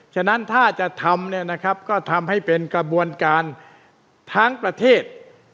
ฉะนั้นถ้าจะทำเนี่ยนะครับก็ทำให้เป็นกระบวนการทั้งประเทศ